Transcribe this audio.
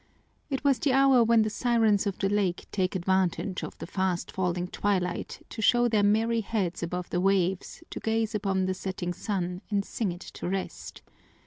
It was the hour when the sirens of the lake take advantage of the fast falling twilight to show their merry heads above the waves to gaze upon the setting sun and sing it to rest.